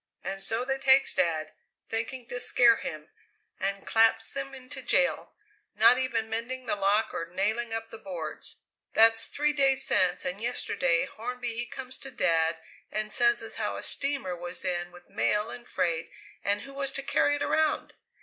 And so they takes Dad, thinking to scare him, and claps him into jail, not even mending the lock or nailing up the boards. That's three days since, and yesterday Hornby he comes to Dad and says as how a steamer was in with mail and freight and who was to carry it around?